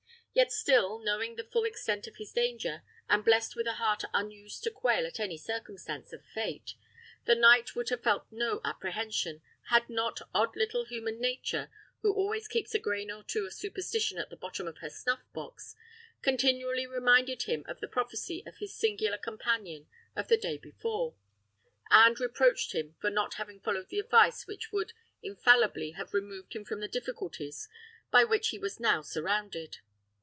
Yet still, knowing the full extent of his danger, and blessed with a heart unused to quail to any circumstance of fate, the knight would have felt no apprehension, had not odd little Human Nature, who always keeps a grain or two of superstition in the bottom of her snuff box, continually reminded him of the prophecy of his singular companion of the day before, and reproached him for not having followed the advice which would infallibly have removed him from the difficulties by which he was now surrounded.